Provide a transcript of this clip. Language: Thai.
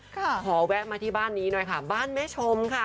ขอแวะมาที่บ้านนี้หน่อยค่ะบ้านแม่ชมค่ะ